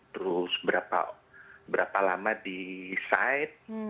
terus berapa lama di site